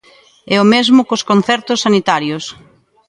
E o mesmo cos concertos sanitarios.